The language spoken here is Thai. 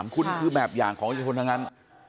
คุณคือแบบอย่างของอาชีพทุกคนทั้งนั้น